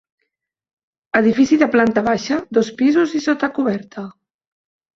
Edifici de planta baixa, dos pisos i sota-coberta.